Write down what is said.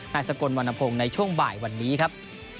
นายสกลวันนาโพงในช่วงบ่ายวันนี้ครับ